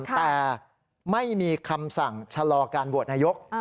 แต่ไม่มีคำสั่งชะลอการโหวตนายก